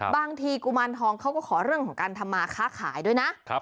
กุมารทองเขาก็ขอเรื่องของการทำมาค้าขายด้วยนะ